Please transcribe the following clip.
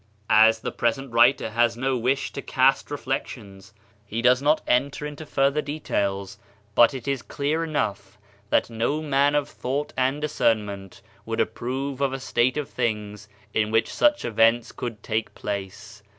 As the present writer has no wish to cast re flections, he does not enter into further details, but it is clear enough that no man of thought and dis cernment would approve of a state of things in which such events could take place.